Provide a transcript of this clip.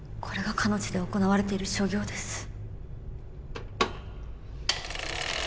これがかの地で行われている所業です。